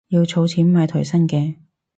要儲錢買台新嘅